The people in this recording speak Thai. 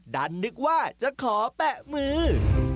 นึกว่าจะขอแปะมือ